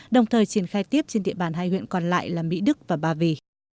đồng thời triển khai tiếp trên địa bàn hai huyện còn lại là mỹ đức và ba vì